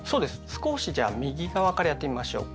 少しじゃあ右側からやってみましょうか。